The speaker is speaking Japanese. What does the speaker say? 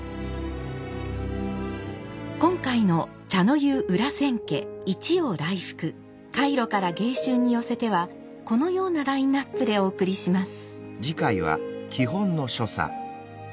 今回の「茶の湯裏千家一陽来復開炉から迎春に寄せて」はこのようなラインナップでお送りします。